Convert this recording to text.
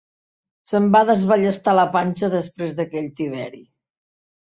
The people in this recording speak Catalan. Se'm va desballestar la panxa després d'aquell tiberi.